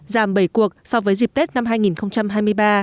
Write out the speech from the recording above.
giảm bảy cuộc so với dịp tết năm hai nghìn hai mươi ba